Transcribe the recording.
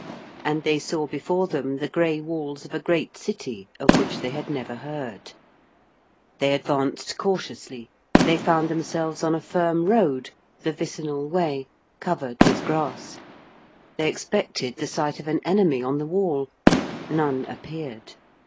And they saw before them the gray walls of a great city of which they had never heard. They advanced cautiously: they found themselves on a firm road, the Vicinal Way, covered with grass: they expected the sight of an enemy on the wall: none appeared.